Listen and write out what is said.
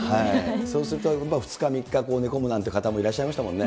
そうすると２日、３日寝込むなんて方もいらっしゃいましたもんね。